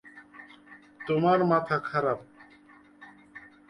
তোমার মাথা খারাপ।